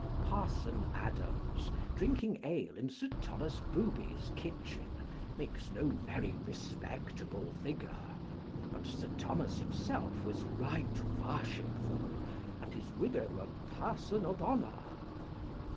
Parson Adams, drinking ale in Sir Thomas Booby's kitchen, makes no very respectable figure ; but Sir Thomas himself was right worshipful, and his widow a person of honour